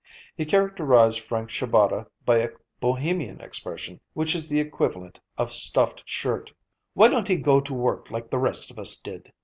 He characterized Frank Shabata by a Bohemian expression which is the equivalent of stuffed shirt. "Why don't he go to work like the rest of us did?